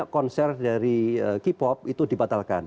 konser dari k pop itu dibatalkan